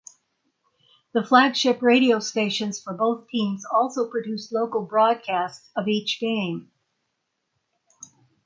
The flagship radio stations for both teams also produced local broadcasts of each game.